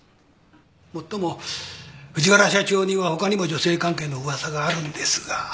もっとも藤原社長にはほかにも女性関係の噂があるんですが。